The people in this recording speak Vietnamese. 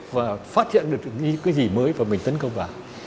và phát hiện được những cái gì mới và mình tấn công vào